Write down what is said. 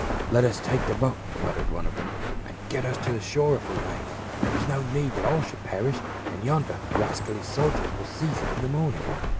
" Let us take the boat," muttered one of them, " and get us to the shore if we may ; there is no need that all perish, and yonder rascally soldiers will seize it in the morning."